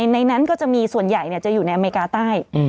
ในนั้นก็จะมีส่วนใหญ่จะอยู่ในอเมริกาใต้